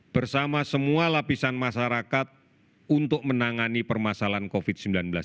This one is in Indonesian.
bersama semua lapisan masyarakat untuk menangani permasalahan covid sembilan belas